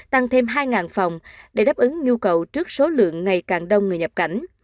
tăng thêm hai phòng để đáp ứng nhu cầu trước số lượng ngày càng đông người nhập cảnh